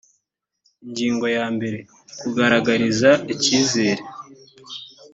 ingingo ya mbere kugaragariza icyizere